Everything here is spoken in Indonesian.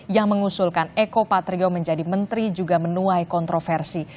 yang mengusulkan eko patrio menjadi menteri juga menuai kontroversi